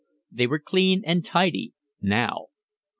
They were clean and tidy, now.